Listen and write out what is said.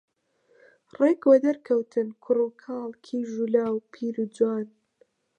ڕێک وەدەرکەوتن کوڕوکاڵ، کیژ و لاو، پیر و جوان